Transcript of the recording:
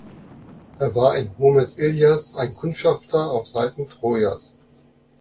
Er war in Homers Ilias ein Kundschafter auf Seiten Trojas.